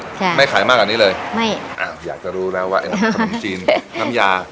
ใช่ไม่ขายมากกว่านี้เลยไม่อ่าอยากจะรู้แล้วว่าไอ้น้ำขนมจีนน้ำยา